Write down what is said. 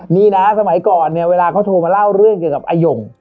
นี่นะสมัยก่อนเนี่ยเวลาเขาโทรมาเล่าเรื่องเกี่ยวกับอาย่ง